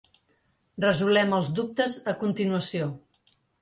Resolem els dubtes a continuació.